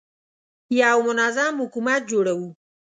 یو منظم حکومت جوړوو.